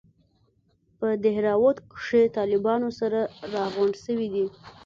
په دهراوت کښې طالبان سره راغونډ سوي دي.